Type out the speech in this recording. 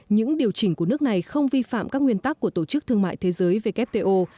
những điều chỉnh của nước này không vi phạm các nguyên tắc của tổ chức thương mại thế giới wto